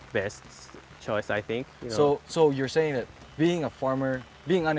คุณต้องเป็นผู้งาน